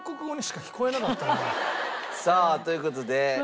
さあという事で。